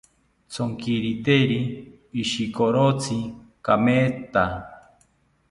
Tsonkiriteri ishikorotsi kametha